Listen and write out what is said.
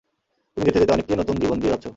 তুমি যেতে যেতে অনেককে নতুন জীবন দিয়ে যাচ্ছো।